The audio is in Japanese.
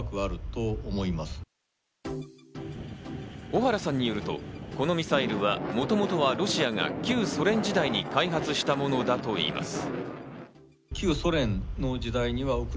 小原さんによるとこのミサイルはもともとはロシアが旧ソ連時代に開発したものだといいます。